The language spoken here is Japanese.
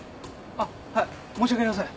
あっはい申し訳ありません。